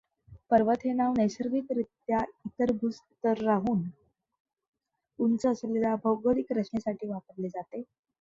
पर्वत हे नाव नैसर्गिकरित्या इतर भूस्तराहून उंच असलेल्या भौगोलिक रचनेसाठी वापरले जाते.